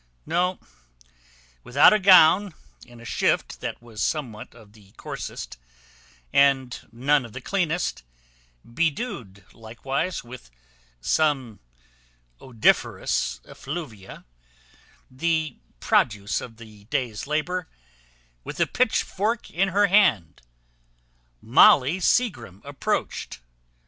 No; without a gown, in a shift that was somewhat of the coarsest, and none of the cleanest, bedewed likewise with some odoriferous effluvia, the produce of the day's labour, with a pitchfork in her hand, Molly Seagrim approached.